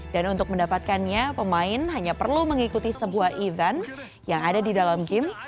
dan untuk mendapatkannya pemain hanya perlu mengikuti sebuah event yang ada di dalam game